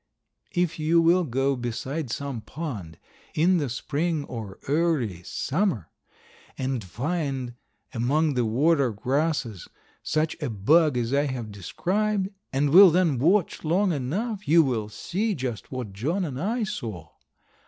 If you will go beside some pond in the spring or early summer, and find among the water grasses such a bug as I have described, and will then watch long enough you will see just what John and I saw.